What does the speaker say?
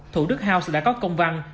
thủ đức house đã có công văn